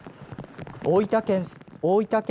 大分県